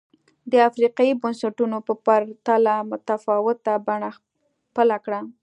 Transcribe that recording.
د افریقايي بنسټونو په پرتله متفاوته بڼه خپله کړه.